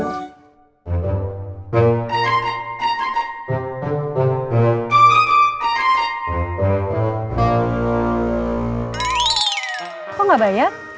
kok gak bayar